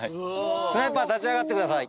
スナイパー立ち上がってください。